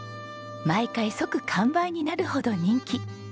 毎回即完売になるほど人気。